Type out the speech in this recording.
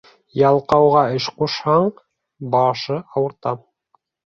Ялҡауға эш ҡушһаң, башы ауырта.